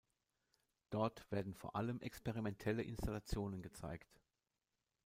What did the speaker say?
Dort werden vor allem experimentelle Installationen gezeigt.